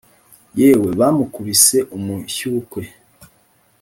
yewe bamukubise umushyukwe